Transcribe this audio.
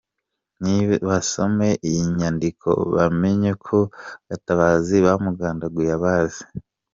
Nibasome iyi nyandiko bamenye ko Gatabazi bamugandaguye abazi.